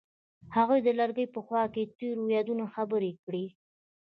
هغوی د لرګی په خوا کې تیرو یادونو خبرې کړې.